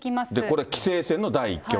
これ棋聖戦の第１局。